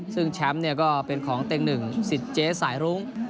ซึ่งแชมป์เนี้ยก็เป็นของเต็งหนึ่งสิจเจสายลุ้ง